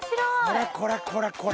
これこれこれこれ！